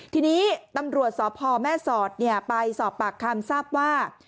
ทีนี้ตำรวจศพพ่อแม่ศอดไปสอบปากคำทรัพย์ว่า